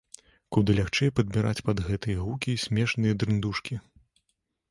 Куды лягчэй падбіраць пад гэтыя гукі смешныя дрындушкі.